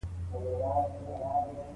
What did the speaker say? وخت خوشي مه تېروئ.